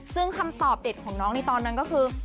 ซึ่งคำตอบเด็ดของน้องในตอนนั้นก็คือ